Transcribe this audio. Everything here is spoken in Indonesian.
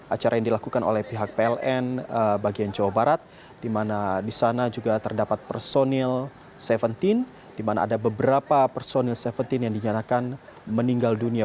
acara yang dilakukan oleh pihak pln bagian jawa barat di mana di sana juga terdapat personil tujuh belas di mana ada beberapa personil tujuh belas yang dinyatakan meninggal dunia